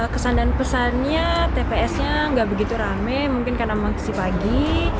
kesan dan pesannya tps nya nggak begitu rame mungkin karena masih pagi